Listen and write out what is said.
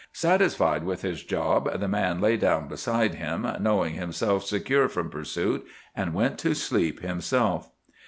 Satisfied with his job, the man lay down beside him, knowing himself secure from pursuit, and went to sleep himself.